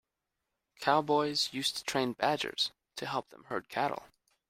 Cowboys used to train badgers to help them herd cattle.